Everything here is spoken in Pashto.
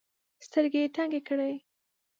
سترګي یې تنګي کړې .